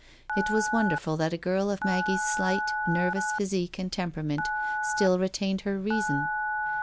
It was wonderful that a girl of Maggie's slight, nervous physique and temperament, still retained her reason.